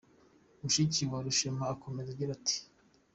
Mushiki wa Rushema akomeza agira ati: